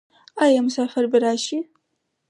آیا مسافر به راشي؟